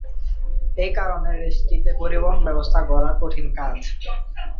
এই কারণে দেশটিতে পরিবহন ব্যবস্থা গড়া কঠিন কাজ।